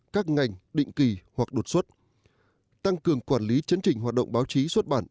các ngành định kỳ hoặc đột xuất tăng cường quản lý chấn trình hoạt động báo chí xuất bản